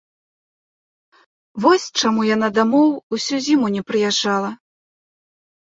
Вось чаму яна дамоў усю зіму не прыязджала.